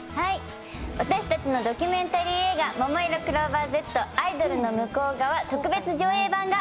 私たちのドキュメンタリー映画「ももいろクローバーＺアイドルの向こう側特別上映版」が。